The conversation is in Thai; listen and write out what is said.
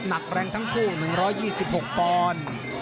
หนักแรงทั้งคู่๑๒๖ปอนด์